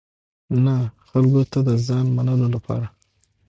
نه خلکو ته د ځان منلو لپاره.